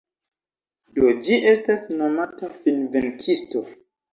Do ĝi estas nomata Finvenkisto.